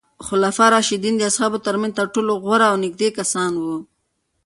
خلفای راشدین د اصحابو ترمنځ تر ټولو غوره او نږدې کسان وو.